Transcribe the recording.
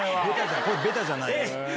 これベタじゃない。